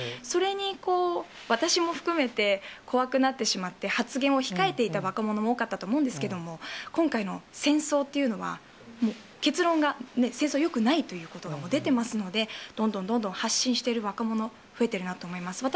それに、私も含めて、怖くなってしまって発言を控えていた若者も多かったと思うんですけども、今回の戦争というのは、結論が、戦争はよくないということが出てますので、どんどんどんどん発信している若者、増えてるなと思います。